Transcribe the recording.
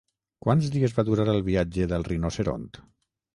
Quants dies va durar el viatge del rinoceront?